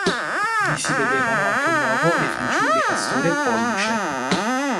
Vi si vedevano anche un uovo e i fanciulli Castore e Polluce.